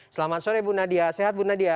selamat sore bu nadia sehat bu nadia